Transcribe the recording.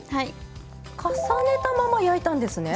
重ねたまま焼いたんですね？